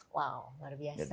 wow luar biasa